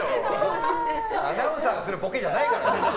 アナウンサーがするボケじゃないよ！